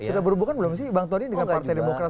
sudah berhubungan belum sih bang tony dengan partai demokrat